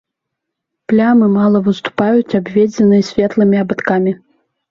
Плямы мала выступаюць, абведзеныя светлымі абадкамі.